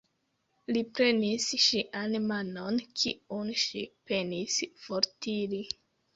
Li prenis ŝian manon, kiun ŝi penis fortiri.